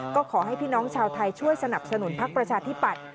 ก็ขอให้พี่น้องชาวไทยช่วยสนับสนุนพักประชาธิปัตย